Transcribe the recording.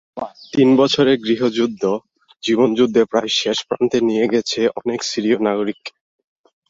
তিন বছরের গৃহযুদ্ধ জীবনযুদ্ধে প্রায় শেষ প্রান্তে নিয়ে গেছে অনেক সিরীয় নাগরিককে।